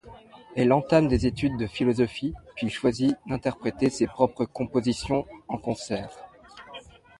Elle entame des études de philosophie puis choisit d'interpréter ses propres compositions en concert.